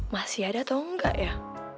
masih ada atau enggak ya